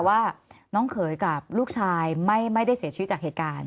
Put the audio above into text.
ว่าน้องเขยกับลูกชายไม่ได้เสียชีวิตจากเหตุการณ์